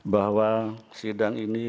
bahwa sidang ini